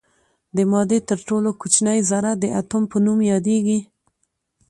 د مادې تر ټولو کوچنۍ ذره د اتوم په نوم یادیږي.